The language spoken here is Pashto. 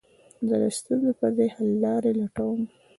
زه د ستونزو پر ځای، حللاري لټوم.